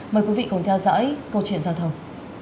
mời quý vị cùng theo dõi câu chuyện giao thông